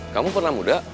kamu pernah muda